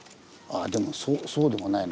あでもそうでもないな。